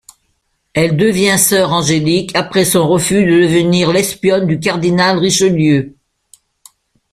Elle devient sœur Angélique après son refus de devenir l'espionne du cardinal Richelieu.